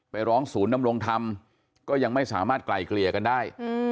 ร้องศูนย์ดำรงธรรมก็ยังไม่สามารถไกลเกลี่ยกันได้